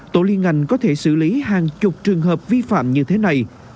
tổ liên ngành có thể xử lý hàng chục trường hợp vi phạm như thế này